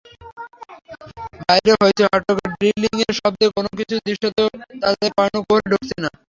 বাইরের হইচই, হট্টগোল, ড্রিলিংয়ের শব্দ—কোনো কিছুই দৃশ্যত তাদের কর্ণকুহরে ঢুকছে না।